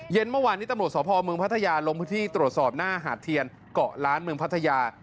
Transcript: เมื่อวานนี้ตำรวจสพเมืองพัทยาลงพื้นที่ตรวจสอบหน้าหาดเทียนเกาะล้านเมืองพัทยา